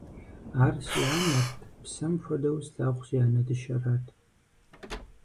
Ар си анэрт, псэм хуэдэу слъагъу си анэ дыщэрат.